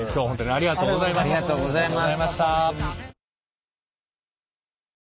ありがとうございます。